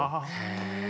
へえ。